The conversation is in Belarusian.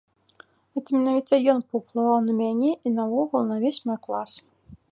Гэта менавіта ён паўплываў на мяне і, наогул, на ўвесь мой клас.